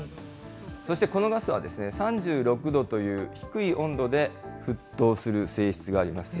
そしてこのガスは、３６度という低い温度で沸騰する性質があります。